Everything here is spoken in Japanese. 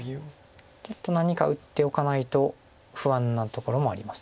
ちょっと何か打っておかないと不安なところもあります。